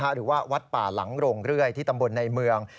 หรือว่าวัดป่าหลังโรงเรื่อยที่ตำบลในเมือง